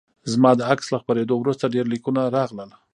زما د عکس له خپریدو وروسته ډیر لیکونه راغلل